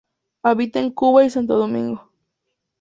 Habita en Cuba y Santo Domingo.